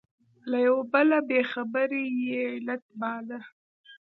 له یوه بله بې خبري یې علت باله.